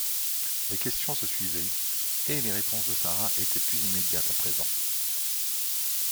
Les questions se suivaient, et les réponses de Sara étaient plus immédiates à présent.